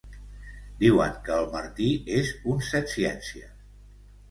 Diuen que el Martí és un set-ciències.